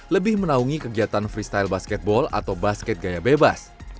lebih menaungi kegiatan freestyle basketball atau basket gaya bebas